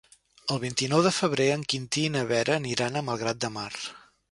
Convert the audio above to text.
El vint-i-nou de febrer en Quintí i na Vera aniran a Malgrat de Mar.